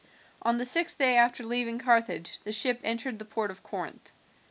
On the sixth day after leaving Carthage the ship entered the port of Corinth.